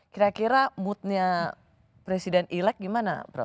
kira kira moodnya presiden elek gimana